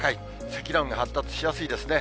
積乱雲が発達しやすいですね。